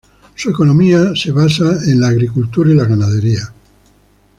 Su economía la basa en la agricultura y la ganadería.